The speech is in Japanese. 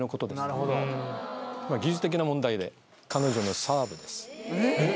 技術的な問題で彼女のサーブです。